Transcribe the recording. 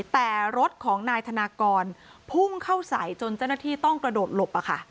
แต่รถของนายธนากรพุ่งเข้าใส่จนเจ้าหน้าที่ต้องกระโดดหลบ